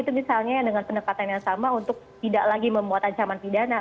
itu misalnya dengan pendekatan yang sama untuk tidak lagi membuat ancaman pidana